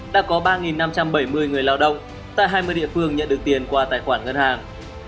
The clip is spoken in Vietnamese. đã có ba năm trăm bảy mươi người lao động tại hai mươi địa phương nhận được tiền qua tài khoản ngân hàng